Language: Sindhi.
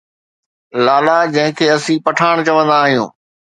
لالا جنهن کي اسين پٺاڻ چوندا آهيون.